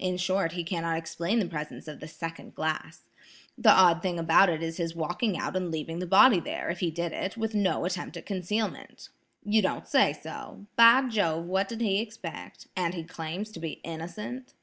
In short, he cannot explain the presence of the second glass. The odd thing about it is his walking out and leaving the body there, if he did it, with no attempt at concealment." "You don't say so! By Jove, what did he expect? And he claims to be innocent?"